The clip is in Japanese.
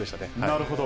なるほど。